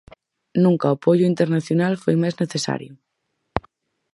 Nunca o apoio internacional foi máis necesario.